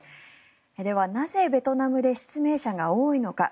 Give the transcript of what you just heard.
では、なぜベトナムで失明者が多いのか。